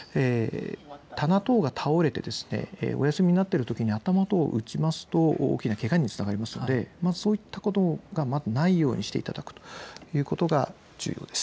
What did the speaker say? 棚等が倒れて、お休みになっているときに頭等を打ちますと大きなけがにつながりますのでそういったことがまずないようにしていただくということが注意点です。